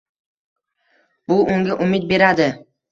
Bu unga umid beradi.